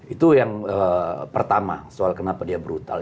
itu yang pertama soal kenapa dia brutal